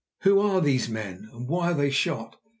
Who are these men, and why are they shot?